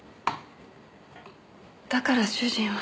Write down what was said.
だから主人は。